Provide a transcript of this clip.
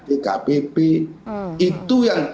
dkpp itu yang